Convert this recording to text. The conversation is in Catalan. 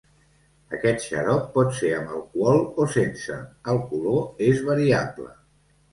Aquest xarop pot ser amb alcohol o sense; el color és variable.